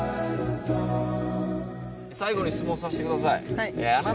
最後に質問させてください